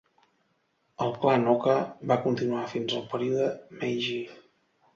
El clan Oka va continuar fins el període Meiji.